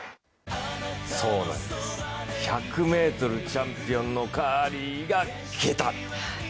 そうなんです、１００ｍチャンピオンのカーリーが消えた。